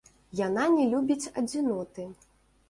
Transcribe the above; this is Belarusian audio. Яна не любіць адзіноты.